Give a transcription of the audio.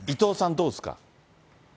どうですか？